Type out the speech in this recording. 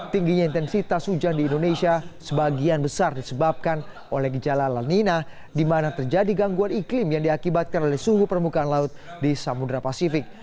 tingginya intensitas hujan di indonesia sebagian besar disebabkan oleh gejala lanina di mana terjadi gangguan iklim yang diakibatkan oleh suhu permukaan laut di samudera pasifik